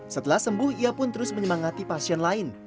setelah sembuh ia pun terus menyemangati pasien lain